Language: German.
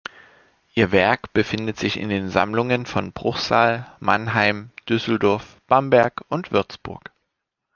Ihr Werk befindet sich in den Sammlungen von Bruchsal, Mannheim, Düsseldorf, Bamberg und Würzburg.